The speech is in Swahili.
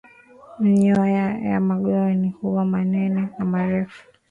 Manyoya ya mgongoni huwa manene na marefu